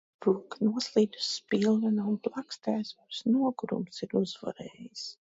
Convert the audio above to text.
Roka noslīd uz spilvena un plaksti aizveras. Nogurums ir uzvarējis.